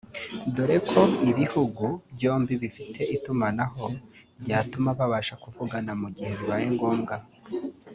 dore ko ibihugu byombi bifite itumanaho ryatuma babasha kuvugana mu gihe bibaye ngombwa